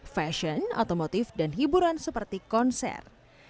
fashion otomotif dan hiburan seperti konser